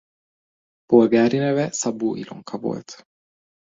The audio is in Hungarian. Polgári neve Szabó Ilonka volt.